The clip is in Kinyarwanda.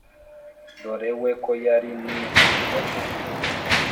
dore we ko yari n’ivu rihoze